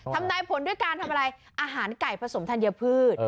ทำนายผลด้วยการทำอะไรอาหารไก่ผสมธัญพืช